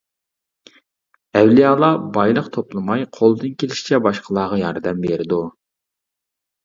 ئەۋلىيالار بايلىق توپلىماي، قولىدىن كېلىشىچە باشقىلارغا ياردەم بېرىدۇ.